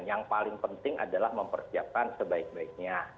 yang paling penting adalah mempersiapkan sebaik baiknya